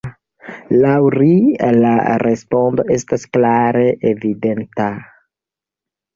Laŭ ri, la respondo estas klare evidenta!